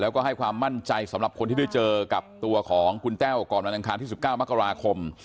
แล้วก็ให้ความมั่นใจสำหรับคนที่ได้เจอกับตัวของคุณแต้วก่อนวันอังคารที่๑๙มกราคม